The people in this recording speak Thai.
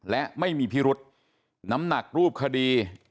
และไม่มีพิรุษน้ำหนักรูปคดี